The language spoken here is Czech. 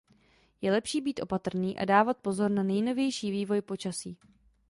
Je lepší být opatrný a dávat pozor na nejnovější vývoj počasí.